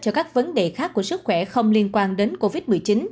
cho các vấn đề khác của sức khỏe không liên quan đến covid một mươi chín